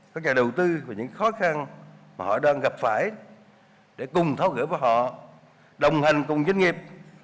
các nhà đầu tư về những khó khăn mà họ đang gặp phải để cùng tháo gỡ với họ đồng hành cùng doanh nghiệp